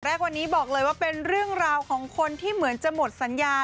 แรกวันนี้บอกเลยว่าเป็นเรื่องราวของคนที่เหมือนจะหมดสัญญา